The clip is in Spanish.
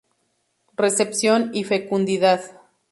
Recepción y fecundidad.